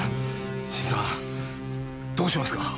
新さんどうしますか？